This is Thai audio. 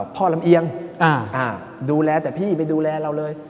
ลำเอียงดูแลแต่พี่ไม่ดูแลเราเลย